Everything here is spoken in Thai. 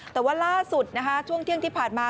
แต่ว่าล่าสุดช่วงเที่ยงที่ผ่านมา